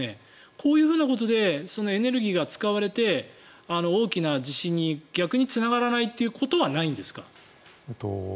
こういうことでエネルギーが使われて大きな地震に逆につながらないということはないんですか？